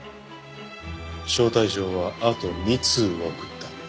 招待状はあと２通送った。